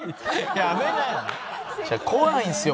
やめなよ」